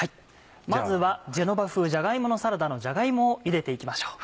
まずは「ジェノバ風じゃが芋のサラダ」のじゃが芋をゆでて行きましょう。